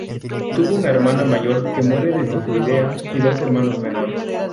Tuvo una hermana mayor que muere de tifoidea y dos hermanos menores.